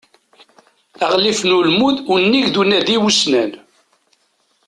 Aɣlif n ulmud unnig d unadi ussnan.